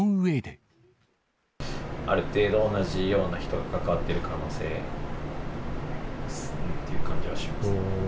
ある程度、同じような人が関わってる可能性っていう感じはします。